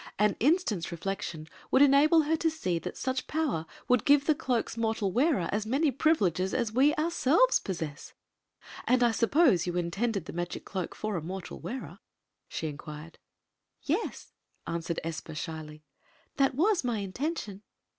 " An instants reflection would enable her to see that such power would give the cloak's mmtal wearer as many privileges as we ourselves possess. And I suppose you intended the magic cloak for a mortal wearer ?" she inquired. "Yes," answered Espa, shyly; "that was my intention.